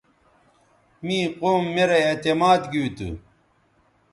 می قوم میرے اعتماد گیوتھو